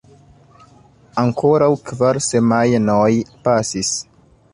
Ankoraŭ kvar semajnoj pasis.